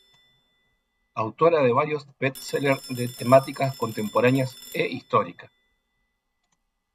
Autora de varios best sellers de temática contemporánea e histórica.